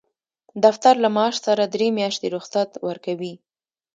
دفتر له معاش سره درې میاشتې رخصت ورکوي.